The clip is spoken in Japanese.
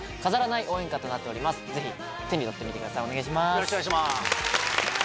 よろしくお願いします。